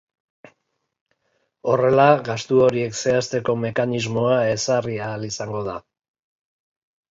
Horrela, gastu horiek zehazteko mekanismoa ezarri ahal izango da.